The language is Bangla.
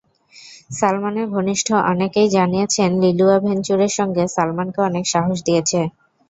সালমানের ঘনিষ্ঠ অনেকেই জানিয়েছেন, লিলুয়া ভেঞ্চুরের সঙ্গ সালমানকে অনেক সাহস দিয়েছে।